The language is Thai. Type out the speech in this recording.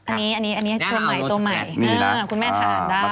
อันนี้อันเนี้ยตัวใหม่นะคะคุณแม่ทานได้